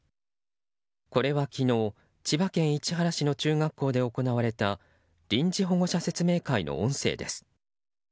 これは、昨日千葉県市原市の中学校で行われた臨時保護者説明会の音声です。